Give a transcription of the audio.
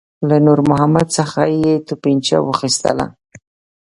له نور محمد څخه یې توپنچه واخیستله.